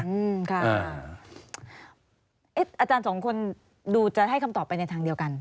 อาจารย์สองคนดูจะให้คำตอบไปในทางเดียวกัน